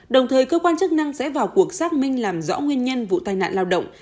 đồng thời cơ quan chức năng sẽ vào cuộc xác minh làm rõ nguyên nhân vụ tai nạn lao động